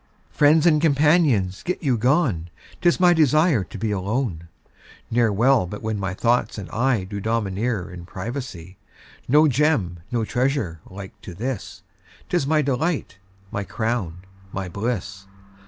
Friends and companions get you gone, 'Tis my desire to be alone; Ne'er well but when my thoughts and I Do domineer in privacy. No Gem, no treasure like to this, 'Tis my delight, my crown, my bliss.